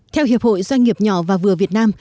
theo hiệp hội doanh nghiệp nhỏ và vừa việt nam